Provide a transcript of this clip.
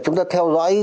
chúng ta theo dõi